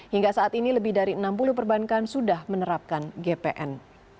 hingga saat ini lebih dari enam puluh perbankan sudah menerapkan gpn